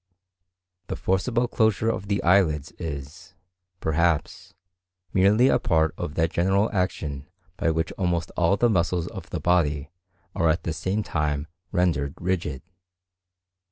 The forcible closure of the eyelids is, perhaps, merely a part of that general action by which almost all the muscles of the body are at the same time rendered rigid.